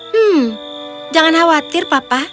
hmm jangan khawatir papa